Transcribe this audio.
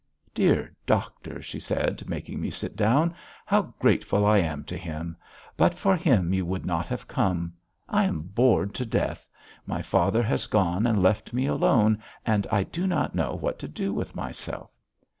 "Dear doctor!" she said, making me sit down. "How grateful I am to him. But for him, you would not have come. I am bored to death! My father has gone and left me alone, and I do not know what to do with myself."